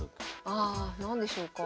ああ何でしょうか？